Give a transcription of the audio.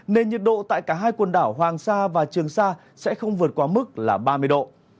nên nhiệt độ tại cả hai quần đảo hoàng sa và trường sa sẽ không vượt qua mức ba mươi độ